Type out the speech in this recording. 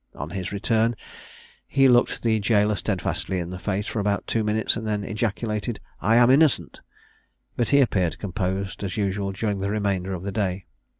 On his return, he looked the gaoler steadfastly in the face for about two minutes, and then ejaculated, "I am innocent;" but he appeared composed as usual during the remainder of the day.